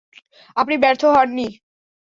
আপনি ব্যর্থ হননি।